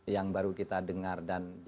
yang baru kita dengar